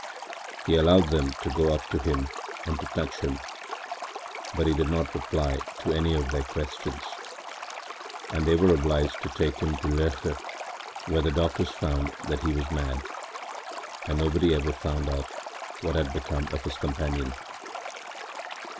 He allowed them to go up to him and to touch him, but he did not reply to any of their questions, and they were obliged to take him to Loeche, where the doctors found that he was mad, and nobody ever found out what had become of his companion.